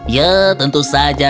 ya tentu saja